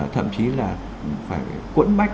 thậm chí là phải cuốn mách